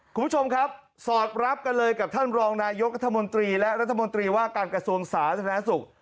คุณผู้ชมครับสอดรับกันเลยกับท่านรองนายกรัฐมนตรีและรัฐมนตรีว่าการกระทรวงสาธารณสุข